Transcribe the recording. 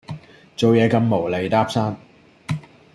做嘢咁無厘搭霎